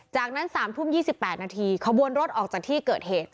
จากนั้นสามทุ่มยี่สิบแปดนาทีขบวนรถออกจากที่เกิดเหตุ